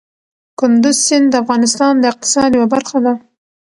کندز سیند د افغانستان د اقتصاد یوه برخه ده.